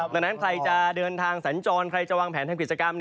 ดังนั้นใครจะเดินทางสัญจรใครจะวางแผนทำกิจกรรม